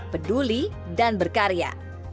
peduli dan berkarya